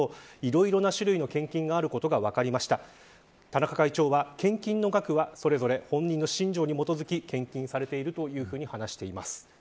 田中会長は献金の額はそれぞれ本人の信条に基づき献金されていると話しています。